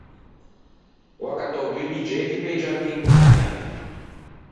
Ò accattou doî biggetti pe-i giardin botanichi.